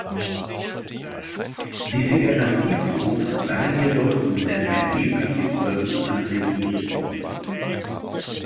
Diese Garantiefonds waren jedoch mit einem erheblichen Verlust an Rendite verbunden.